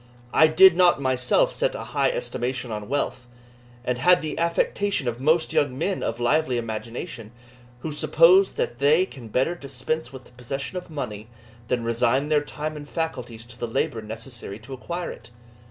I did not myself set a high estimation on wealth, and had the affectation of most young men of lively imagination, who suppose that they can better dispense with the possession of money, than resign their time and faculties to the labour necessary to acquire it.